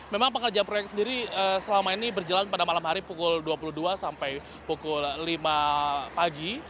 memang pengerjaan proyek sendiri selama ini berjalan pada malam hari pukul dua puluh dua sampai pukul lima pagi